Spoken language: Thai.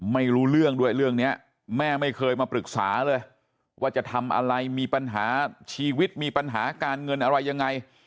ไม่รู้เรื่องด้วยเรื่องนี้แม่ไม่เคยมาปรึกษาเลยว่าจะทำอะไรมีปัญหาชีวิตมีปัญหาการเงินอะไรยังไง